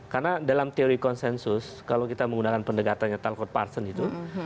karena dalam teori konsensus kalau kita menggunakan pendekatannya tersebut